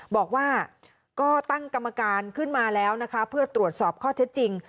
บอกว่าก็ตั้งกรรมการขึ้นมาแล้วนะคะเพื่อตรวจสอบข้อเท็จจริง